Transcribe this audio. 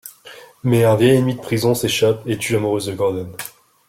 Mais un vieil ennemi de prison s'échappe et tue l'amoureuse de Gordone.